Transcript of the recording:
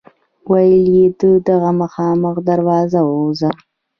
ویل یې له دغه مخامخ دروازه ووځه.